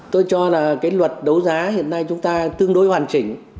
tôi cho là cái luật đấu giá hiện nay chúng ta tương đối hoàn chỉnh